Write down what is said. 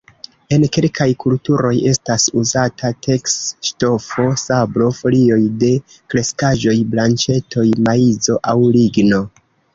En kelkaj kulturoj estas uzata teks-ŝtofo, sablo, folioj de kreskaĵoj, branĉetoj, maizo aŭ ligno.